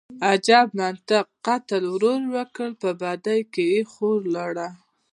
_اجب منطق، قتل ورور وکړ، په بدۍ کې يې خور لاړه.